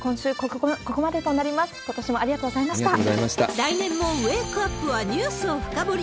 来年もウェークアップはニュースを深掘り。